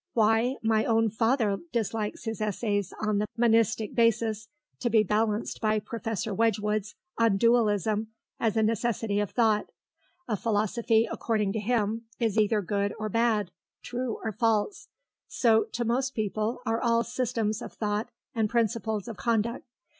Why, my own father dislikes his essays on the Monistic Basis to be balanced by Professor Wedgewood's on Dualism as a Necessity of Thought. A philosophy, according to him, is either good or bad, true or false. So, to most people, are all systems of thought and principles of conduct.